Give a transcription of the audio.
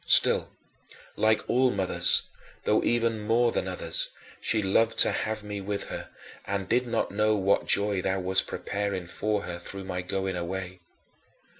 Still, like all mothers though even more than others she loved to have me with her, and did not know what joy thou wast preparing for her through my going away.